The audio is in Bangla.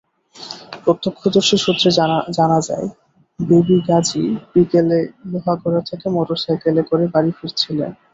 প্রত্যক্ষদর্শী সূত্রে জানা যায়, বেবী গাজী বিকেলে লোহাগড়া থেকে মোটরসাইকেলে করে বাড়ি ফিরছিলেন।